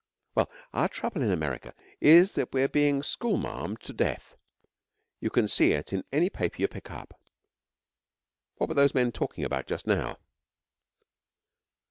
'Well, our trouble in America is that we're being school marmed to death. You can see it in any paper you pick up. What were those men talking about just now?'